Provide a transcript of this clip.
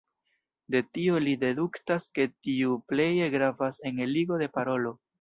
De tio li deduktas ke tiu pleje gravas en eligo de parolo.